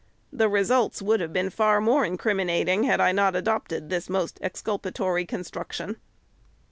The results would have been far more criminating, had I not adopted this most exculpatory construction.